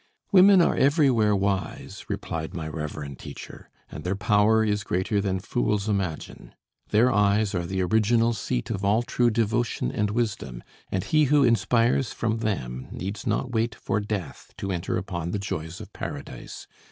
"Women are everywhere wise," replied my reverend teacher, "and their power is greater than fools imagine. Their eyes are the original seat of all true devotion and wisdom, and he who inspires from them needs not wait for death to enter upon the joys of Paradise.